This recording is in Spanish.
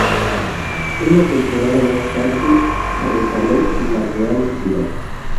Una temporadas más tarde, recaló en la Real Sociedad.